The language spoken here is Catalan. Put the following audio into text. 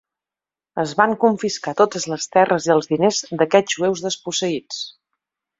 Es van confiscar totes les terres i els diners d"aquests jueus desposseïts.